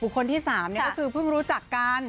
คนที่๓ก็คือเพิ่งรู้จักกัน